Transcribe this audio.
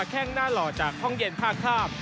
แค่งหน้าหล่อจากห้องเย็นท่าข้าม